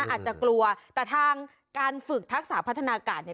อาจจะกลัวแต่ทางการฝึกทักษะพัฒนากาศเนี่ย